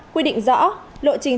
quy định rõ lộ trình